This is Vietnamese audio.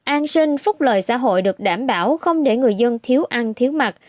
an sinh phúc lợi xã hội được đảm bảo không để người dân thiếu ăn thiếu mặt